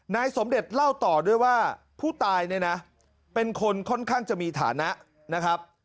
นายสมเด็จเล่าต่อด้วยว่าผู้ตายเนี่ยนะเป็นคนค่อนข้างจะมีฐานะนะครับ